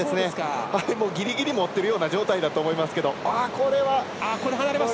ギリギリもってるような状態だと思いますけど。